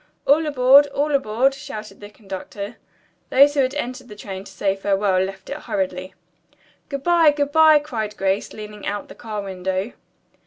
"All aboard! All aboard!" shouted the conductor. Those who had entered the train to say farewell left it hurriedly. "Good bye! Good bye!" cried Grace, leaning out the car window.